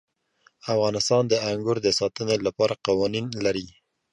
افغانستان د انګور د ساتنې لپاره قوانین لري.